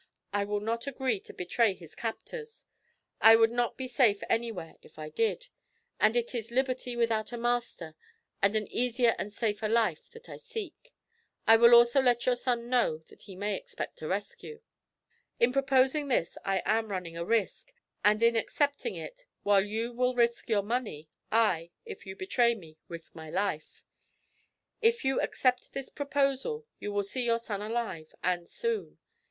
I will not agree to betray his captors; I would not be safe anywhere if I did; and it is liberty without a master, and an easier and a safer life, that I seek. I will also let your son know that he may expect a rescue. 'In proposing this I am running a risk, and in accepting it, while you will risk your money, I, if you betray me, risk my life. If you accept this proposal you will see your son alive, and soon.